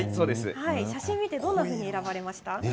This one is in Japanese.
写真を見てどんなふうに選ばれましたか？